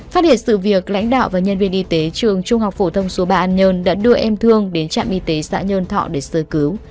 phát hiện sự việc lãnh đạo và nhân viên y tế trường trung học phổ thông số ba an nhơn đã đưa em thương đến trạm y tế xã nhơn thọ để sơ cứu